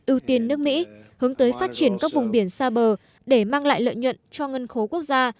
ưu tiên nước mỹ hướng tới phát triển các vùng biển xa bờ để mang lại lợi nhuận cho ngân khố quốc gia